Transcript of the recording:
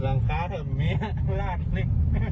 หลังคาทำเมียราวนี้